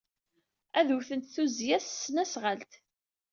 Ad wten tuzzya s tesnasɣalt.